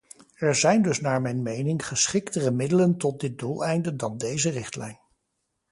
Er zijn dus naar mijn mening geschiktere middelen tot dit doeleinde dan deze richtlijn.